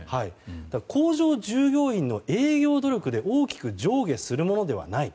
工場従業員の営業努力で大きく上下するものではない。